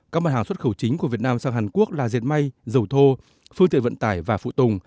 các mặt hàng xuất khẩu chính của việt nam sang hàn quốc là diệt may dầu thô phương tiện vận tải và phụ tùng